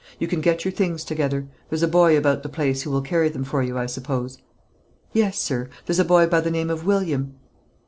You can get your things together; there's a boy about the place who will carry them for you, I suppose?" "Yes, sir; there's a boy by the name of William."